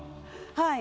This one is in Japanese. はい。